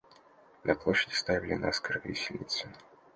На площади ставили наскоро виселицу.